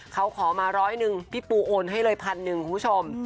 เขาขอมา๑๐๐นึงพี่ปูโอนให้เลย๑๐๐๐นึงคุณผู้ชม